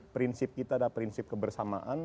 prinsip kita adalah prinsip kebersamaan